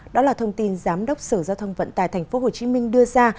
đó là thông tin giám đốc sở giao thông vận tài tp hcm đưa ra